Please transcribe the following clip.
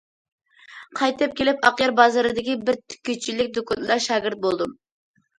قايتىپ كېلىپ، ئاقيار بازىرىدىكى بىر تىككۈچىلىك دۇكىنىدا شاگىرت بولدۇم.